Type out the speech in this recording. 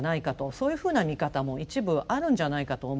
そういうふうな見方も一部あるんじゃないかと思うんですよね。